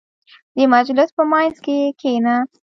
• د مجلس په منځ کې کښېنه.